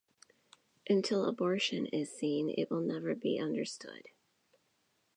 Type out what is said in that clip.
Until abortion is seen, it will never be understood.